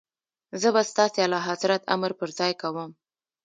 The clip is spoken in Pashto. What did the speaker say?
زه به ستاسي اعلیحضرت امر پر ځای کوم.